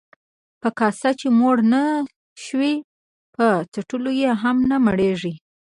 ـ په کاسه چې موړ نشوې، په څټلو يې هم نه مړېږې.